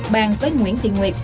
bàn với nguyễn thị nguyệt